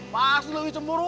pak ini lebih cemburu